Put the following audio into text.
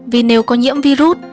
vì nếu có nhiễm virus